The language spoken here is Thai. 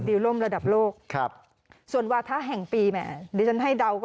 ดีลลมระดับโลกส่วนวาท้าแห่งปีผู้หญิงต้องให้เดา